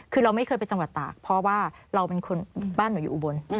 คือเราไม่เคยไปจังหวัดตากเพราะว่าเราเป็นคนบ้านหนูอยู่อุบล